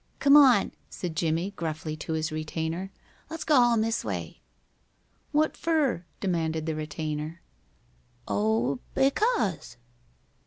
"Come on," said Jimmie, gruffly, to his retainer. "Let's go home this way." "What fer?" demanded the retainer. "Oh, b'cause."